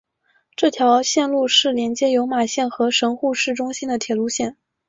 这条线路是连接有马线和神户市中心的铁路线。